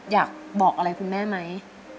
อยากบอกอะไรคุณแม่ไหม